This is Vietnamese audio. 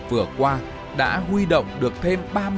vừa qua đã huy động được thêm